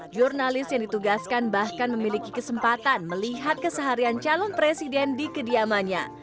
jurnalis yang ditugaskan bahkan memiliki kesempatan melihat keseharian calon presiden di kediamannya